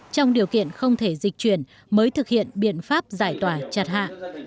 trong điều kiện không thể dịch chuyển mới thực hiện biện pháp giải tỏa chặt hạ